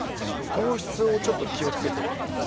糖質をちょっと気をつけてる。